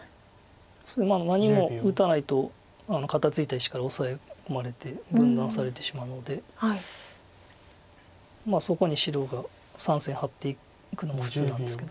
何も打たないと肩ツイた石からオサエ込まれて分断されてしまうのでそこに白が３線ハッていくのも普通なんですけど。